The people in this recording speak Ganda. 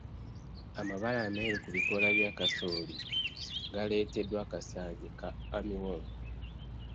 Amabala ameeru ku bikoola bya kasooli galeeteddwa akasaanyi ka armyworm.